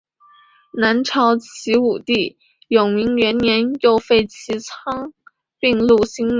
南朝齐武帝永明元年又废齐昌并入兴宁。